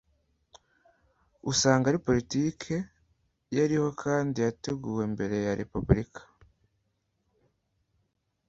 usanga ari politike yariho kandi yateguwe mbere ya repubulika.